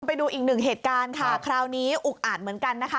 ไปดูอีกหนึ่งเหตุการณ์ค่ะคราวนี้อุกอาจเหมือนกันนะคะ